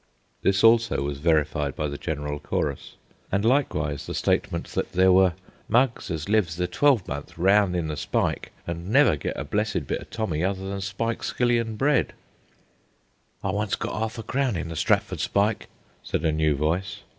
This also was verified by the general chorus, and likewise the statement that there were "mugs as lives the twelvemonth 'round in the spike an' never get a blessed bit o' tommy other than spike skilly an' bread." "I once got arf a crown in the Stratford spike," said a new voice.